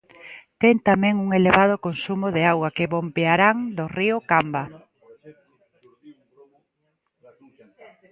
Ten tamén un elevado consumo de auga que bombearán do río Camba.